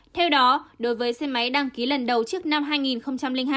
theo đó đối với xe máy đăng ký lần đầu trước năm hai nghìn hai